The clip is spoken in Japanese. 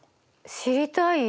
知りたい？